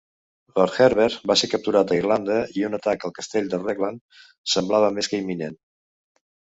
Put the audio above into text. Lord Herbert va ser capturat a Irlanda i un atac al castell de Raglan semblava més que imminent.